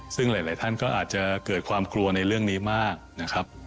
ซึ่งหลายท่านก็อาจจะเกิดความกลัวในเรื่องนี้มากนะครับ